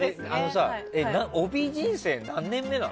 帯人生何年目なの？